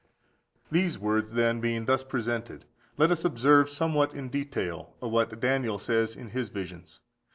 These words then being thus presented, let us observe somewhat in detail what Daniel says in his visions.